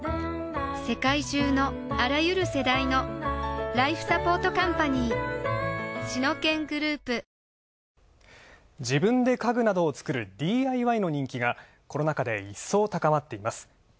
世界中のあらゆる世代のライフサポートカンパニーシノケングループ自分で家具などを作るＤＩＹの人気がコロナ禍でいっそう高まっています。